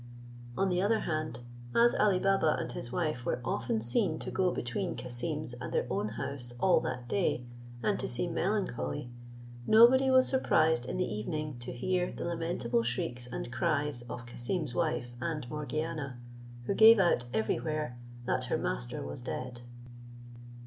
On the other hand, as Ali Baba and his wife were often seen to go between Cassim's and their own house all that day, and to seem melancholy, nobody was surprised in the evening to hear the lamentable shrieks and cries of Cassim's wife and Morgiana, who gave out every where that her master was dead.